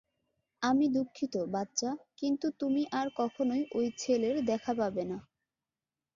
আমি দুঃখিত, বাচ্চা, কিন্তু তুমি আর কখনই ঐ ছেলের দেখা পাবেনা।